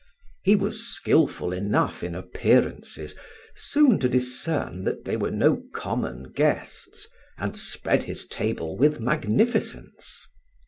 He was skilful enough in appearances soon to discern that they were no common guests, and spread his table with magnificence.